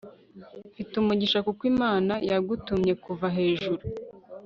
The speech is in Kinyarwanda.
mfite umugisha, kuko imana yagutumye kuva hejuru